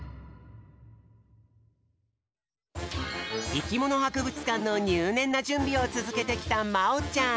いきものはくぶつかんのにゅうねんなじゅんびをつづけてきたまおちゃん。